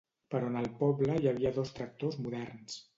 Però en el poble hi havia dos tractors moderns